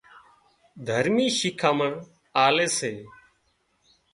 دهرمِي شِکامڻ آلي سي